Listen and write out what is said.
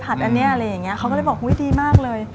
อันนี้อะไรอย่างนี้เขาก็เลยบอกอุ๊ยดีมากเลย